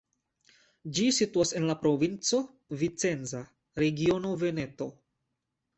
Ĝi situas en la provinco Vicenza, regiono Veneto.